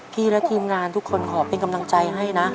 พี่และทีมงานทุกคนขอเป็นกำลังใจให้นะ